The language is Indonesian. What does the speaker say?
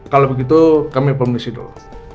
kalau begitu kami permisi dulu